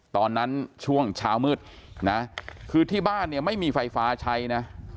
ช่วงเช้ามืดนะคือที่บ้านเนี่ยไม่มีไฟฟ้าใช้นะ